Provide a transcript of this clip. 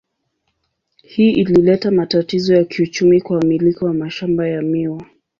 Hii ilileta matatizo ya kiuchumi kwa wamiliki wa mashamba ya miwa.